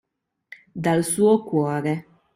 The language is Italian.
dal suo cuore.